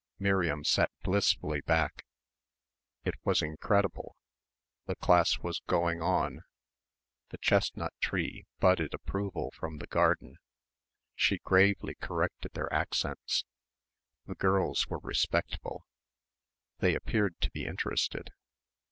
Miriam sat blissfully back. It was incredible. The class was going on. The chestnut tree budded approval from the garden. She gravely corrected their accents. The girls were respectful. They appeared to be interested.